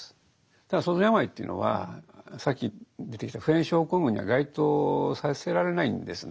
ただ創造の病いというのはさっき出てきた普遍症候群には該当させられないんですね。